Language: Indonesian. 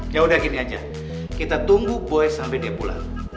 yaudah gini aja kita tunggu boy sampe dia pulang